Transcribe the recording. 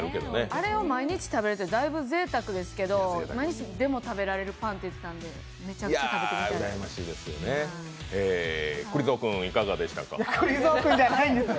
あれを毎日食べるってぜいたくですけど、毎日でも食べられるパンって言ってたので、めちゃくちゃ食べてみたいです。